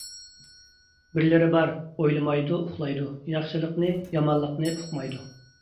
بىرلىرى بار: ئويلىمايدۇ، ئۇخلايدۇ، ياخشىلىقنى-يامانلىقنى ئۇقمايدۇ.